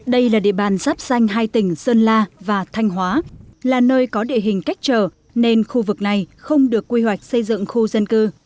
đây là địa bàn sắp xanh hai tỉnh sơn la và thanh hóa là nơi có địa hình cách trở nên khu vực này không được quy hoạch xây dựng khu dân cư